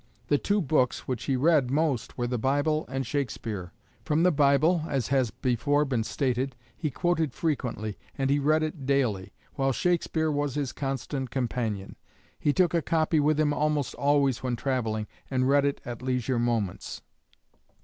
The two books which he read most were the Bible and Shakespeare. With these he was perfectly familiar. From the Bible, as has before been stated, he quoted frequently, and he read it daily, while Shakespeare was his constant companion. He took a copy with him almost always when travelling, and read it at leisure moments."